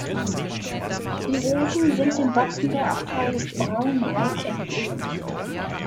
Die Rosen sind dem Wappen der Abtei Braunau entlehnt.